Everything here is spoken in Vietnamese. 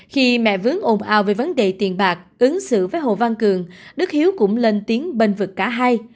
khi mẹ vướng ồn ào về vấn đề tiền bạc ứng xử với hồ văn cường đức hiếu cũng lên tiếng bênh vực cả hai